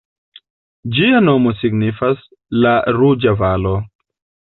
Ĝia nomo signifas "La Ruĝa Valo".